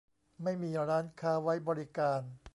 ไม่มีร้านค้าไว้บริการ